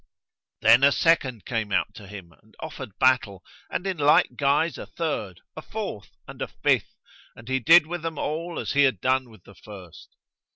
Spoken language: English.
Then a second came out to him and offered battle, and in like guise a third, a fourth and a fifth, and he did with them all as he had done with the first.